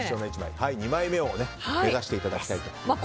２枚目を目指していただきたいと思います。